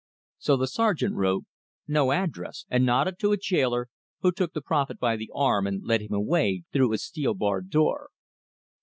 So the sergeant wrote: "No address," and nodded to a jailer, who took the prophet by the arm and led him away through a steel barred door.